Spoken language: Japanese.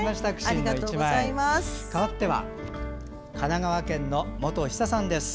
かわっては神奈川県の本ひささんです。